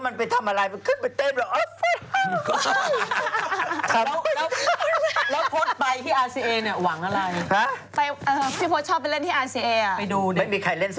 มันเป็นครอบครัวก็เลยไม่ได้ออกไปเล่น